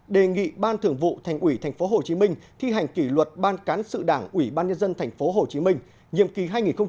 đề nghị ban thực vụ thành ủy tp hcm thi hành kỷ luật ban cán sự đảng ủy ban nhân dân tp hcm nhiệm kỳ hai nghìn một mươi một hai nghìn một mươi sáu